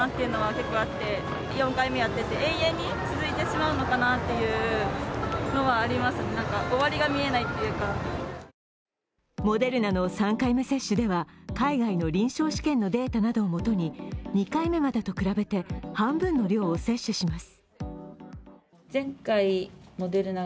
街の人からはモデルナの３回目接種では海外の臨床試験のデータなどを基に２回目までと比べて半分の量を接種します。